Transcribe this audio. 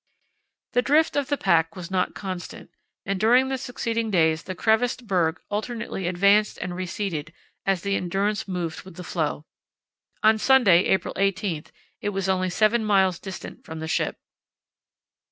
The drift of the pack was not constant, and during the succeeding days the crevassed berg alternately advanced and receded as the Endurance moved with the floe. On Sunday, April 18, it was only seven miles distant from the ship.